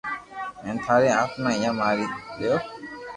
ھين ٿاري آتماني ڀآ ماري دآيو